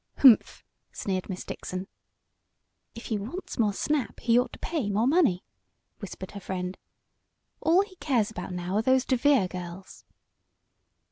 "Humph!" sneered Miss Dixon. "If he wants more snap he ought to pay more money," whispered her friend. "All he cares about now are those DeVere girls."